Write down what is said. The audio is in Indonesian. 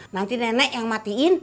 nanti nenek yang matiin